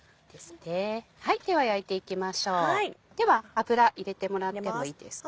油入れてもらってもいいですか？